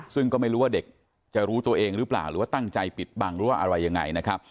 ซึ่งก็ไม่รู้ว่าเด็กจะรู้ตัวเองหรือเปล่าหรือว่าตั้งใจปิดบังหรือว่าอะไรยังไงนะครับ